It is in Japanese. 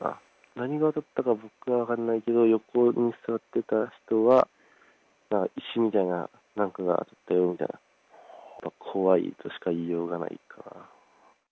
何が当たったか、僕は分かんないけど、横に座ってた人は、石みたいな、なんかが当たったみたいな、怖いとしか言いようがないかな。